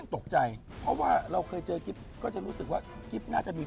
ในเร็ววันนี้